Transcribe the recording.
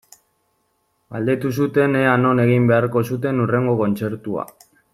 Galdetu zuten ea non egin beharko zuten hurrengo kontzertua.